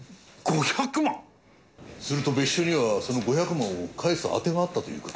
すると別所にはその５００万を返す当てがあったという事か？